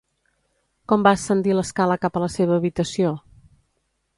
Com va ascendir l'escala cap a la seva habitació?